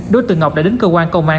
đối tượng ngọc đã đến cơ quan công an